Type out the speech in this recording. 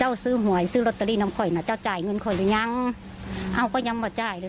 เกือบยังไม่เห็นเจ้าพรรษกับมดซิแบย